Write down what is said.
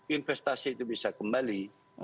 investasi itu bisa kembali